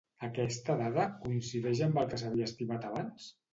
Aquesta dada coincideix amb el que s'havia estimat abans?